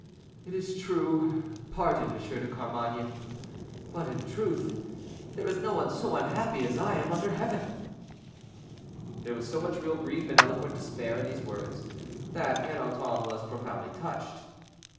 "It is true; pardon, M. de Carmainges; but, in truth, there is no one so unhappy as I am under heaven." There was so much real grief and eloquent despair in these words, that Ernanton was profoundly touched.